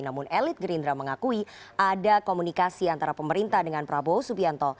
namun elit gerindra mengakui ada komunikasi antara pemerintah dengan prabowo subianto